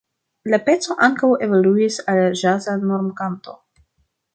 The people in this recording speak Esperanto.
La peco ankaŭ evoluis al ĵaza normkanto.